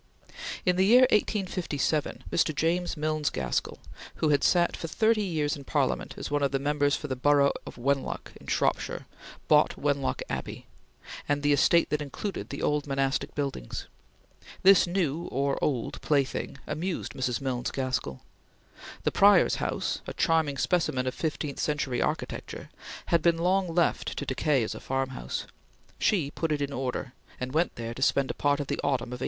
In the year 1857, Mr. James Milnes Gaskell, who had sat for thirty years in Parliament as one of the Members for the borough of Wenlock in Shropshire, bought Wenlock Abbey and the estate that included the old monastic buildings. This new, or old, plaything amused Mrs. Milnes Gaskell. The Prior's house, a charming specimen of fifteenth century architecture, had been long left to decay as a farmhouse. She put it in order, and went there to spend a part of the autumn of 1864.